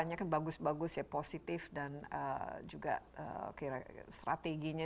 kenapa harus di rumah sebelum kabupaten keemistvellasiano